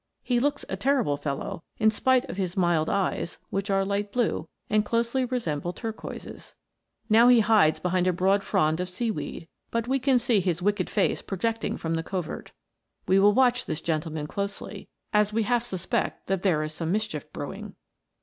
He looks a terrible fellow, in spite of his mild eyes, which are light blue, and closely resemble turquoises.* Now he hides beneath a broad frond of sea weed, but we can see his wicked face project ing from the covert. We will watch this gentleman closely, as we half suspect that there is some mis chief brewing.